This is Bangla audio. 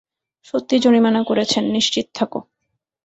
সত্যি জরিমানা করেছেন, নিশ্চিত থাকো।